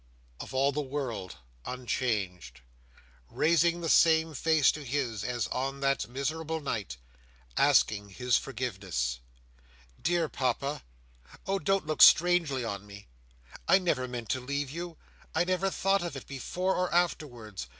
Of all the world, unchanged. Raising the same face to his, as on that miserable night. Asking his forgiveness! "Dear Papa, oh don't look strangely on me! I never meant to leave you. I never thought of it, before or afterwards.